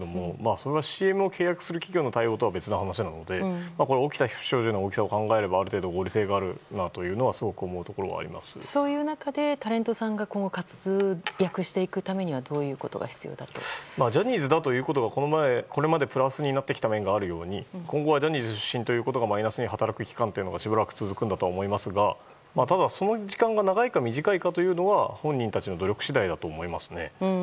それはＣＭを契約する企業の対応とは別な話なので起きた不祥事の大きさを考えればある程度、合理性があるとはそういう中で、タレントさんが今後、活躍していくためにはジャニーズだということがこれまでプラスになってきた面があるように今後はジャニーズ出身ということがマイナスに働く期間がしばらく続くんだとは思いますがただ、その時間が長いか短いかというのは本人たちの努力次第だと思いますね。